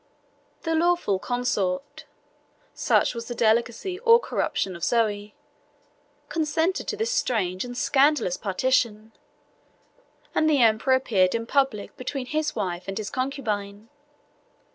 The lawful consort (such was the delicacy or corruption of Zoe) consented to this strange and scandalous partition; and the emperor appeared in public between his wife and his concubine.